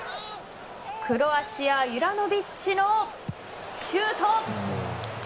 クロアチアユラノヴィッチのシュート。